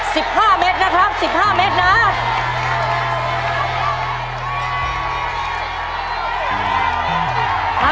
สิบห้าเมตรนะครับสิบห้าเมตรนะ